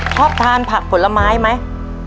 ชอบทานผักผลไม้ไหม